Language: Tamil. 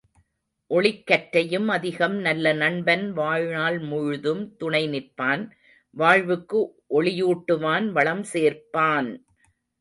ஒளிக்கற்றையும் அதிகம் நல்ல நண்பன் வாழ்நாள் முழுதும் துணை நிற்பான் வாழ்வுக்கு ஒளியூட்டுவான் வளம் சேர்ப்பான்!